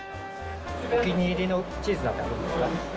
お気に入りのチーズなんてあるんですか？